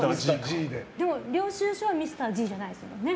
でも領収書はミスターＧじゃないですよね？